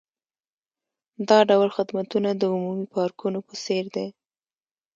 دا ډول خدمتونه د عمومي پارکونو په څیر دي